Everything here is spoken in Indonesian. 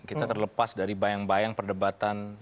kita terlepas dari bayang bayang perdebatan